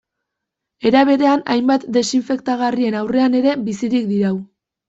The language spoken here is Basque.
Era berean hainbat desinfektagarrien aurrean ere bizirik dirau.